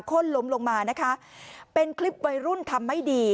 ้นล้มลงมานะคะเป็นคลิปวัยรุ่นทำไม่ดี